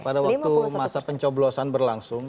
pada waktu masa pencoblosan berlangsung